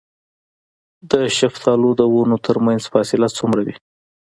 د شفتالو د ونو ترمنځ فاصله څومره وي؟